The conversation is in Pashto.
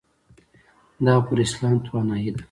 دا پر اسلام توانایۍ ده.